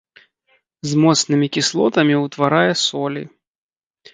З моцнымі кіслотамі ўтварае солі.